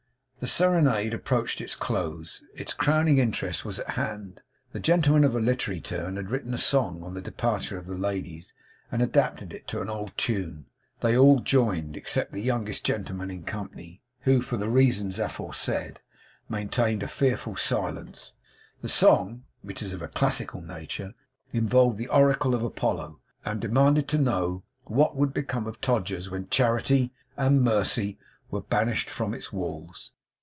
The serenade approached its close. Its crowning interest was at hand. The gentleman of a literary turn had written a song on the departure of the ladies, and adapted it to an old tune. They all joined, except the youngest gentleman in company, who, for the reasons aforesaid, maintained a fearful silence. The song (which was of a classical nature) invoked the oracle of Apollo, and demanded to know what would become of Todgers's when CHARITY and MERCY were banished from its walls.